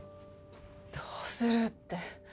どうするって。